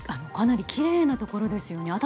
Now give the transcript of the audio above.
かなりきれいなところですよね。